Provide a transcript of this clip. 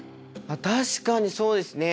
あっ確かにそうですね。